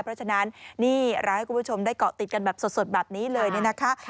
เพราะฉะนั้นนี่เราให้คุณผู้ชมได้เกาะติดกันแบบสดแบบนี้เลยเนี่ยนะคะ